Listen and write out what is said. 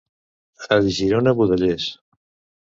A Girona, budellers.